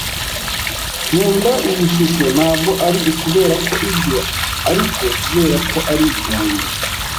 Nkunda iyi shusho, ntabwo ari ukubera ko izwi, ariko kubera ko ari igihangano.